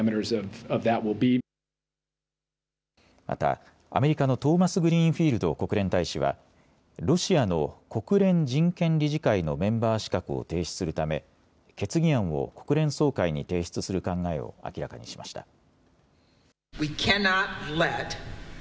また、アメリカのトーマスグリーンフィールド国連大使はロシアの国連人権理事会のメンバー資格を停止するため決議案を国連総会に提出する考えを明らかにしました。